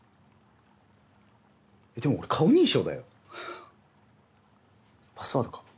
えでも俺顔認証だよ。パスワードか。